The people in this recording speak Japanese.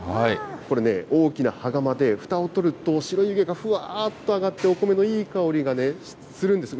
これね、大きな羽釜で、ふたを取ると白い湯気がふわーっと上がって、お米のいい香りがね、するんです。